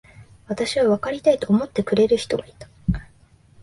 私をわかりたいと思ってくれる人がいた。